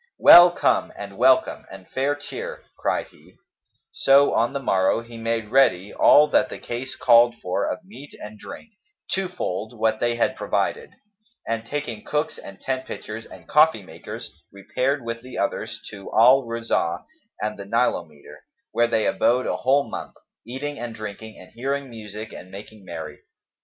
"Well come, and welcome and fair cheer!" cried he; so on the morrow, he made ready all that the case called for of meat and drink, two fold what they had provided, and taking cooks and tent pitchers and coffee makers,[FN#262] repaired with the others to Al Rauzah[FN#263] and the Nilometer, where they abode a whole month, eating and drinking and hearing music and making merry.